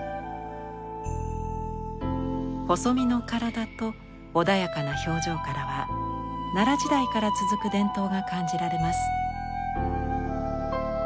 細身の体と穏やかな表情からは奈良時代から続く伝統が感じられます。